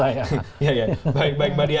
ya ya baik baik mbak diya